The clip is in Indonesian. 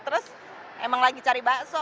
terus emang lagi cari bakso